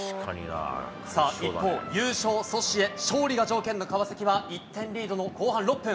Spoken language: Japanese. さあ、一方、優勝阻止へ勝利が条件の川崎は、１点リードの後半６分。